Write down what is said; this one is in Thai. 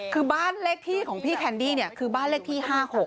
คือบ้านเลขที่ของพี่แคนดี้เนี่ยคือบ้านเลขที่๕๖